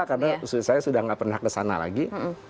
karena saya sudah tidak pernah ke sana lagi